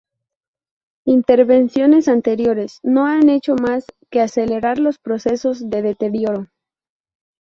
Intervenciones anteriores no han hecho más que acelerar los procesos de deterioro.